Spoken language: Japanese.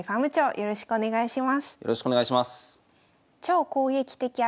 よろしくお願いします。